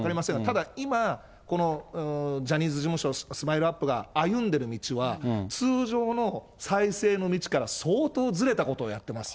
ただ今、このジャニーズ事務所、スマイルアップが歩んでいる道は、通常の再生の道から相当ずれたことをやってます。